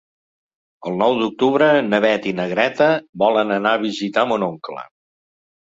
El nou d'octubre na Beth i na Greta volen anar a visitar mon oncle.